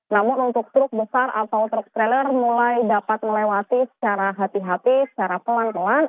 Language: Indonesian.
namun untuk truk besar atau truk trailer mulai dapat melewati secara hati hati secara pelan pelan